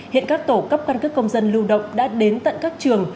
hiện các tổ cấp căn cước công dân lưu động đã đến tận các trường